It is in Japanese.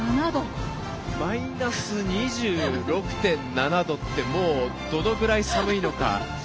マイナス２６．７度ってもう、どのぐらい寒いのか。